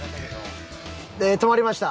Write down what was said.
止まりました。